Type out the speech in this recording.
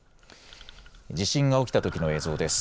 地震が起きたときの映像です。